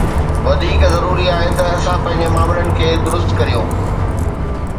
وڌيڪ ضروري آهي ته اسان پنهنجن معاملن کي درست ڪريون.